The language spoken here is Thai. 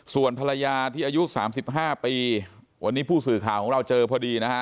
ส่วนภรรยาที่อายุ๓๕ปีวันนี้ผู้สื่อข่าวของเราเจอพอดีนะฮะ